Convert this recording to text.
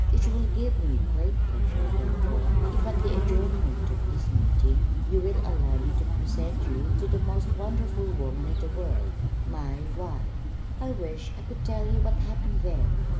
It will give me great pleasure, therefore, if at the adjournment of this meeting you will allow me to present you to the most wonderful woman in the world my wife." I wish I could tell you what happened then.